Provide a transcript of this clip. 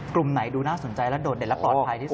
กลุ่มไหนดูน่าสนใจและโดดเด่นและปลอดภัยที่สุด